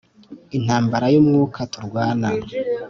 intambara y'Umwuka turwana,